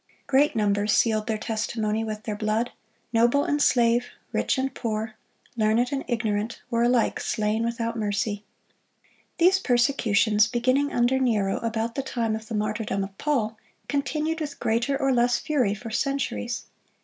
(59) Great numbers sealed their testimony with their blood. Noble and slave, rich and poor, learned and ignorant, were alike slain without mercy. These persecutions, beginning under Nero about the time of the martyrdom of Paul, continued with greater or less fury for centuries.